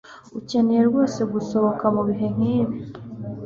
Ukeneye rwose gusohoka mubihe nkibi